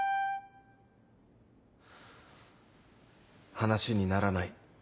話にならない。